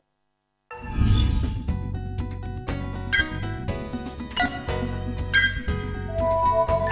cảnh sát điều tra bộ công an